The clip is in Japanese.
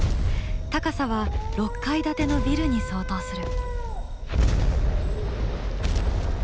高さは６階建てのビルに相当する。